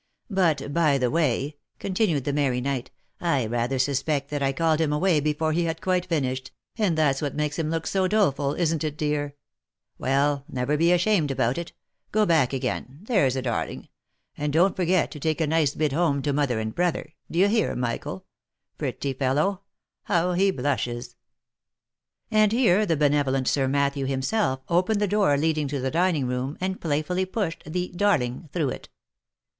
" But, by the way," continued the merry knight, " I rather suspect that I called him away before he had quite finished, and that's what it is makes him look so doleful", isn't it, dear ? Well ! never be ashamed about it — go back again, there's a darling 1 and don't forget to take a nice bit home to mother and brother — d'ye hear, Michael ? Pretty fellow ! how he blushes !" And here the benevolent Sir Matthew himself opened the door leading to the dining room, and playfully pushed the " darling " through it.